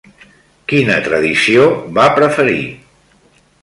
Quina tradició va preferir?